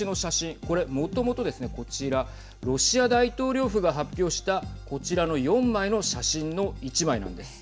これ、もともとですね、こちらロシア大統領府が発表したこちらの４枚の写真の１枚なんです。